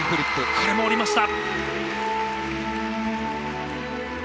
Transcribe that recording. これも降りました！